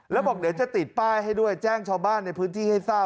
แล้วบอกเดี๋ยวจะติดป้ายให้ด้วยแจ้งชาวบ้านในพื้นที่ให้ทราบ